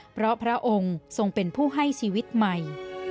เพราะพระองค์ทรงเป็นผู้ให้ชีวิตใหม่